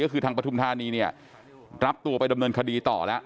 ก็คือทางปฐุมธานีเนี่ยรับตัวไปดำเนินคดีต่อแล้ว